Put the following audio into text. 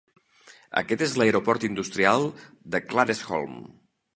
Ara és l'aeroport industrial de Claresholm.